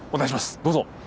どうぞ。